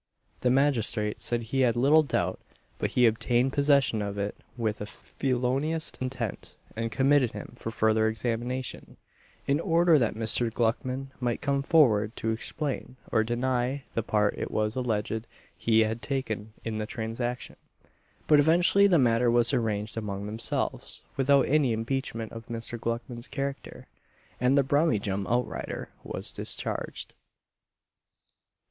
The magistrate said he had little doubt but he obtained possession of it with a felonious intent, and committed him for further examination, in order that Mr. Gluckman might come forward to explain, or deny, the part it was alleged he had taken in the transaction; but eventually the matter was arranged among themselves without any impeachment of Mr. Gluckman's character, and the "Brummyjum outrider" was discharged.